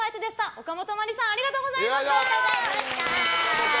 おかもとまりさんありがとうございました！